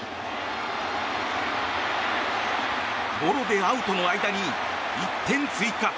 ゴロでアウトの間に１点追加。